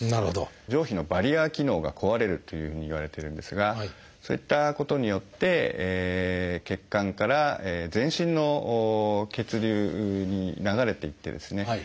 上皮のバリア機能が壊れるというふうにいわれてるんですがそういったことによって血管から全身の血流に流れていってですね